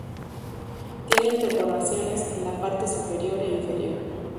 Tienen perforaciones en la parte superior e inferior.